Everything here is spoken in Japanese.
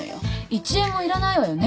１円もいらないわよね